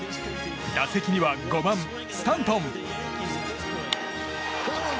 打席には５番スタントン。